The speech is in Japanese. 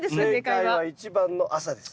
正解は１番の「朝」です。